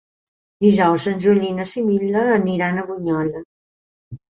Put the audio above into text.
Dijous en Juli i na Sibil·la aniran a Bunyola.